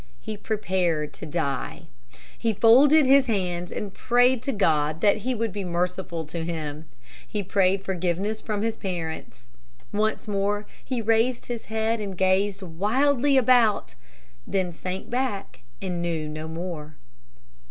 He prepared to die. He folded his hands and prayed to God that he would be merciful to him. He prayed forgiveness from his parents. Once more he raised his head and gazed wildly around, then he sank back and knew no more.